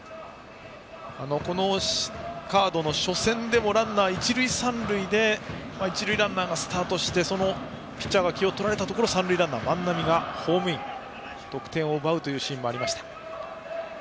このカードの初戦でもランナー、一塁三塁で一塁ランナーがスタートしてそのピッチャーが気を取られたところを三塁ランナーの万波がホームインして得点を奪うシーンもありました。